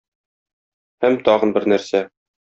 Һәм тагын бер нәрсә.